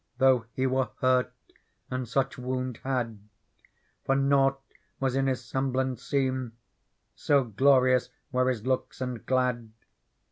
Though He were hurt and such wound had ; For nought was in His semblant seen. So glorious were His looks and glad.